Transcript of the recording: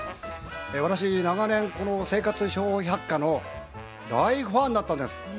私長年この「生活笑百科」の大ファンだったんです。